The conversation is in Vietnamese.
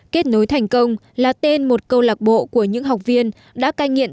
kết nối thành công là tên một câu lạc bộ của những học viên đã cai nghiện